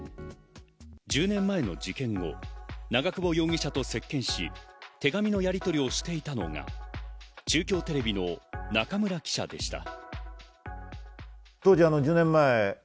１０年前の事件後、長久保容疑者と接見し、手紙のやりとりをしていたのが、中京テレビの中村記者でした。